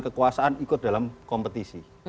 kekuasaan ikut dalam kompetisi